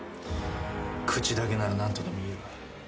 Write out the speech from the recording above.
口だけなら何とでも言える。